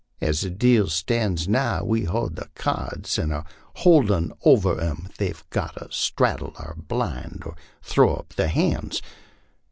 As the deal stands now, we hold the keerds and are holdin' over 'em; they've got to straddle our blind or throw up their hands.